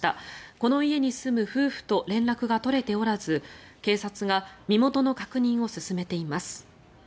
この家に住む夫婦と連絡が取れておらず警察が身元の確認を進めています。